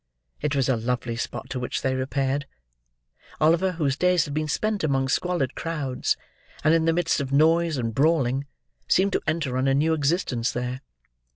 It was a lovely spot to which they repaired. Oliver, whose days had been spent among squalid crowds, and in the midst of noise and brawling, seemed to enter on a new existence there.